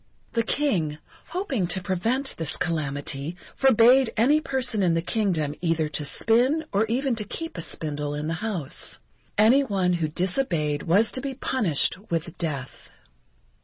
The King, hoping to prevent this calamity, forbade any person in the Kingdom either to spin or even to keep a spindle in the house. Any one who disobeyed was to be punished with death.